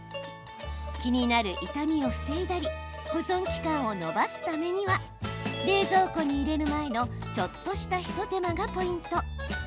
気になる傷みを防いだり保存期間を延ばすためには冷蔵庫に入れる前のちょっとした一手間がポイント。